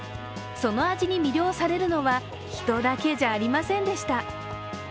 その味に魅了されるのは、人だけじゃありませんでした。